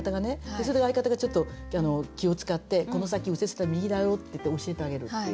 それを相方がちょっと気を遣ってこの先右折だ右だよって言って教えてあげるっていう。